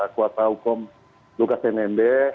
kuasa hukum lukas nmb